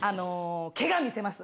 ケガ見せます。